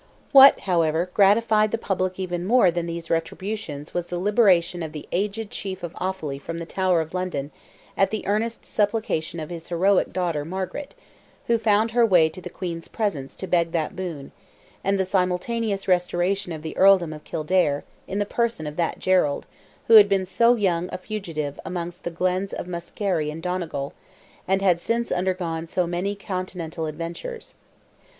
What, however, gratified the public even more than these retributions was the liberation of the aged Chief of Offally from the Tower of London, at the earnest supplication of his heroic daughter, Margaret, who found her way to the Queen's presence to beg that boon; and the simultaneous restoration of the Earldom of Kildare, in the person of that Gerald, who had been so young a fugitive among the glens of Muskerry and Donegal, and had since undergone so many continental adventures.